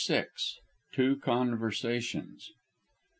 TWO CONVERSATIONS.